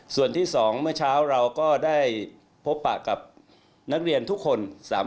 ส่วนที่๒เมื่อเช้าเราก็ได้พบปะกับนักเรียนทุกคน